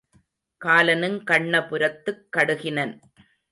காலனுங் கண்ணபுரத்துக்குக் கடுகினன்.